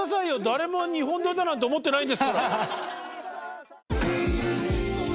誰も２本撮りだなんて思ってないんですから。